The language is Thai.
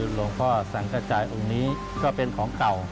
หลวงพ่อสังกระจายองค์นี้ก็เป็นของเก่า